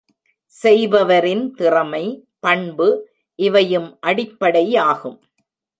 செய்பவரின் திறமை, பண்பு இவையும் அடிப்படை ஆகும்.